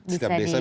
setiap desa bisa